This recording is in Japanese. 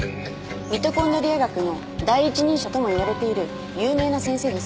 ミトコンドリア学の第一人者とも言われている有名な先生です。